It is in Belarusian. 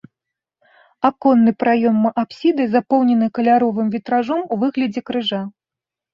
Аконны праём апсіды запоўнены каляровым вітражом у выглядзе крыжа.